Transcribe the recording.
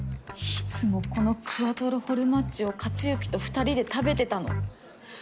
いつもこのクアトロフォルマッジを克行と２人で食べてたの。